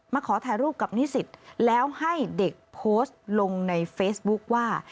ขอถ่ายรูปกับนิสิตแล้วให้เด็กโพสต์ลงในเฟซบุ๊คว่า